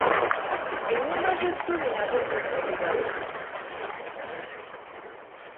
Ennyumba z'essubi nazo zinnyirira